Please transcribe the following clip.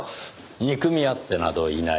憎み合ってなどいない。